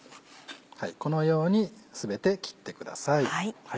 このように全て切ってください。